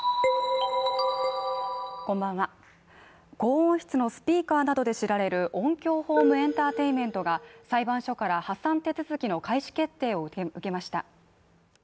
高音質のスピーカーなどで知られるオンキヨーホームエンターテイメントが裁判所から破産手続きの開始決定を受けました。